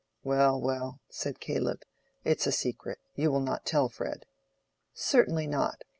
"Well, well," said Caleb, "it's a secret. You will not tell Fred." "Certainly not.